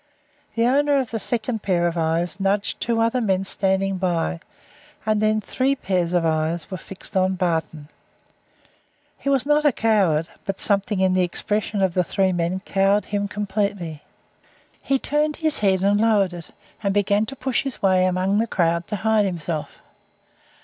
The owner of the second pair of eyes nudged two other men standing by, and then three pairs of eyes were fixed on Barton. He was not a coward, but something in the expression of the three men cowed him completely. He turned his head and lowered it, and began to push his way among the crowd to hide himself.